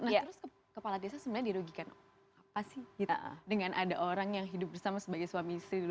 nah terus kepala desa sebenarnya dirugikan apa sih dengan ada orang yang hidup bersama sebagai suami istri dulu